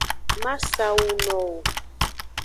Ma sa awu no wo.